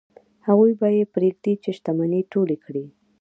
هغوی به یې پرېږدي چې شتمنۍ ټولې کړي.